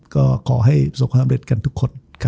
ก็ขอให้สมสำเร็จกันทุกคน